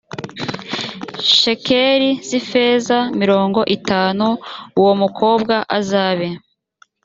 shekeli z ifeza mirongo itanu uwo mukobwa azabe